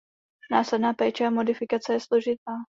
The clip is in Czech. Následná péče o modifikace je složitá.